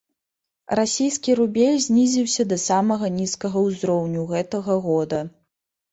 Расійскі рубель знізіўся да самага нізкага ўзроўню гэтага года.